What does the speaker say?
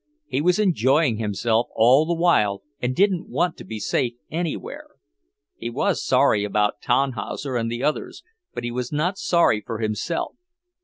He was enjoying himself all the while and didn't want to be safe anywhere. He was sorry about Tannhauser and the others, but he was not sorry for himself.